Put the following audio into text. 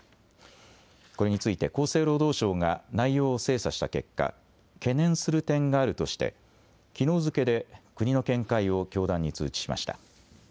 これについて厚生労働省が内容を精査した結果、懸念する点があるとしてきのう付けで国の見解を教団に通知しました。